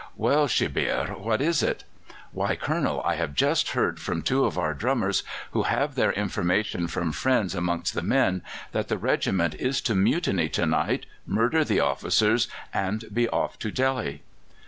"'Well, Shebbeare, what is it?' "'Why, Colonel, I have just heard from two of our drummers, who have their information from friends amongst the men, that the regiment is to mutiny to night, murder the officers, and be off to Delhi.